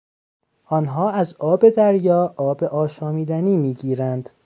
آنها از آب دریا آب آشامیدنی میگیرند.